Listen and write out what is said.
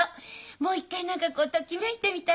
もう一回何かこうときめいてみたいわ。